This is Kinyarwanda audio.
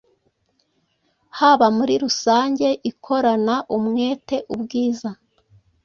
haba muri rusange ikorana umwete ubwiza